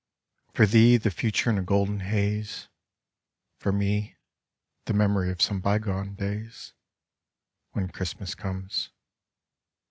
For thee, the future in a golden haze, For me, the memory of some bygone days, When Christmas comes.